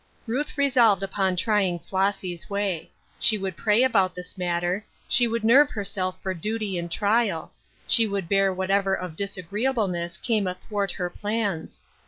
Ruth resolved upon trying Flossy's way. She would pray about this matter ; she would nerve herself for duty and trial : she would bear whatever of disagreeableness came athwart her plans.